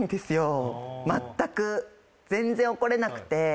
まったく全然怒れなくて。